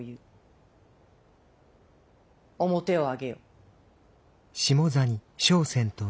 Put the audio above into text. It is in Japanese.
面を上げよ。